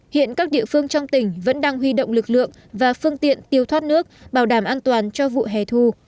hiện các địa phương trong tỉnh vẫn đang huy động lực lượng và phương tiện tiêu thoát nước bảo đảm an toàn cho vụ hè thu